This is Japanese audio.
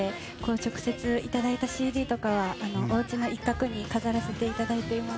直接いただいたＣＤとかはおうちの一角に飾らせていただいています。